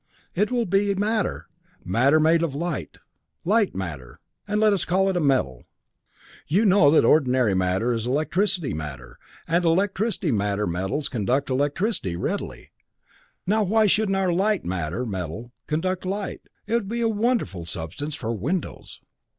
It will be matter, matter made of light light matter and let us call it a metal. You know that ordinary matter is electricity matter, and electricity matter metals conduct electricity readily. Now why shouldn't our 'light matter' metal conduct light? It would be a wonderful substance for windows."